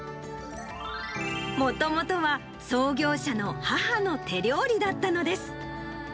もともとは創業者の母の手料理だったのです。